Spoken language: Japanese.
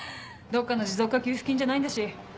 どっかの持続化給付金じゃないんだし。